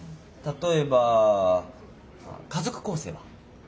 例えば家族構成は？